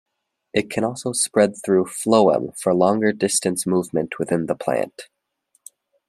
It can also spread through phloem for longer distance movement within the plant.